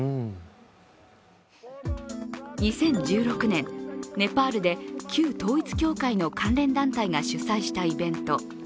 ２０１６年、ネパールで旧統一教会の関連団体が主催したイベント。